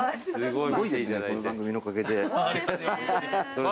すごい。